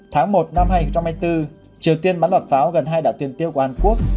tháng một năm hai nghìn hai mươi bốn triều tiên bắn loạt pháo gần hai đảo tiền tiêu của hàn quốc